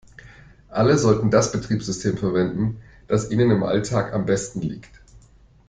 Alle sollten das Betriebssystem verwenden, das ihnen im Alltag am besten liegt.